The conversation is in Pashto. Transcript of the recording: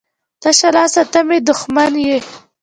تشه لاسو ته مې دښمن یې.